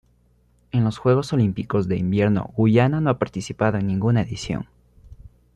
En los Juegos Olímpicos de Invierno Guyana no ha participado en ninguna edición.